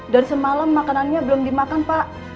dari semalam makanannya belum dimakan pak